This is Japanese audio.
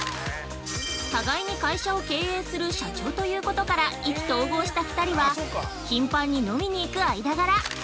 互いに会社を経営する社長ということから意気投合した２人は頻繁に飲みに行く間柄。